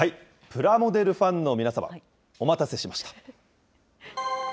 プラモデルファンの皆様、お待たせしました。